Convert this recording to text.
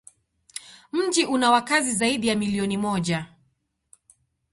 Mji una wakazi zaidi ya milioni moja.